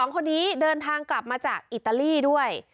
๒คนนี้เดินทางกลับมาจากอิตาลีด้วย